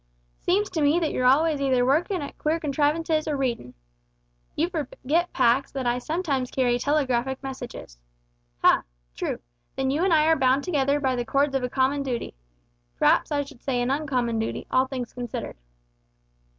Seems to me that you're always either workin' at queer contrivances or readin'." "You forget, Pax, that I sometimes carry telegraphic messages." "Ha! true, then you and I are bound together by the cords of a common dooty p'r'aps I should say an uncommon dooty, all things considered."